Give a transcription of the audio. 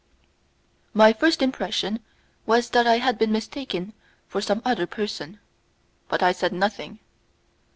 My first impression was that I had been mistaken for some other person, but I said nothing.